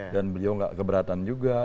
dan beliau tidak keberatan juga